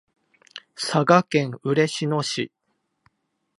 佐賀県嬉野市